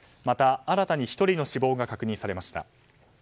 また新たに１人の死亡が確認されました。